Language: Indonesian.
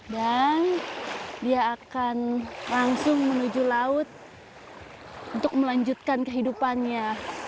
dan dia akan langsung menuju laut untuk melanjutkan kehidupannya